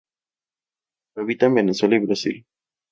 Habita en Venezuela y Brasil.